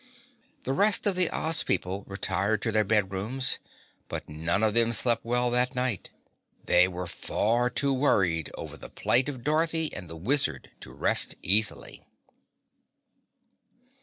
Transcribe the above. The rest of the Oz people retired to their bedrooms, but none of them slept well that night. They were far too worried over the plight of Dorothy and the Wizard to rest easily.